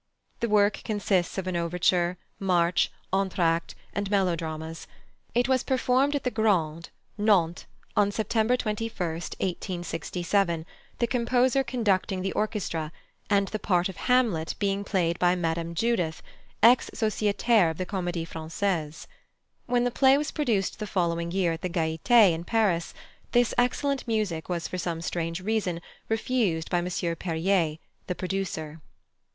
This work consists of an overture, march, entr'actes, and melodramas. It was performed at the Grand, Nantes, on September 21, 1867, the composer conducting the orchestra, and the part of Hamlet being played by Mme. Judith, ex sociétaire of the Comédie Française. When the play was produced the following year at the Gaieté in Paris, this excellent music was for some strange reason refused by M. Perrier, the producer.